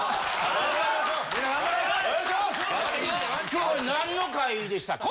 ・今日は何の回でしたっけ？